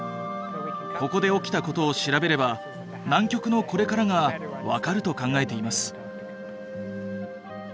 ここで起きたことを調べれば南極のこれからが分かると考えています。